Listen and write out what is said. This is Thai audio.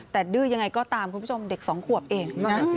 แต่ดื้อยังไงก็ตามคุณผู้ชมเด็ก๒ขวบเอง